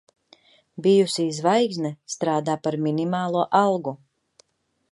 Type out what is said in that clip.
Bijusī zvaigzne strādā par minimālo algu.